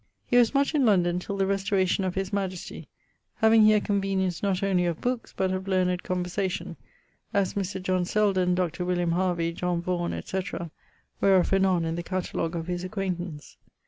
_> He was much in London till the restauration of his majesty, having here convenience not only of bookes, but of learned conversation, as Mr. John Selden, Dr. William Harvey, John Vaughan, etc., wherof anon in the catalogue of his acquaintance.